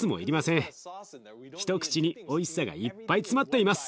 一口においしさがいっぱい詰まっています。